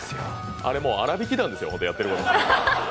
あれもうあらびき団ですよ、やってること。